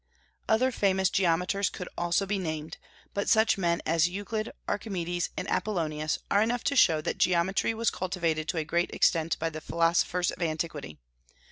Other famous geometers could also be named, but such men as Euclid, Archimedes, and Apollonius are enough to show that geometry was cultivated to a great extent by the philosophers of antiquity.